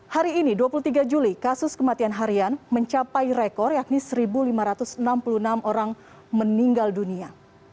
hari ini dua puluh tiga juli kasus kematian harian mencapai rekor yakni satu lima ratus enam puluh enam orang meninggal dunia